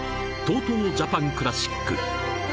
ＴＯＴＯジャパンクラシック。